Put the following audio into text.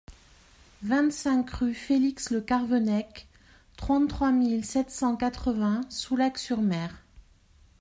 vingt-cinq rue Félix-le-Carvennec, trente-trois mille sept cent quatre-vingts Soulac-sur-Mer